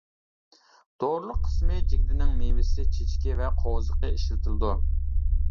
دورىلىق قىسمى جىگدىنىڭ مېۋىسى، چېچىكى ۋە قوۋزىقى ئىشلىتىلىدۇ.